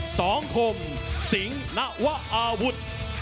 สังคมสิงห์นวะอาวุธ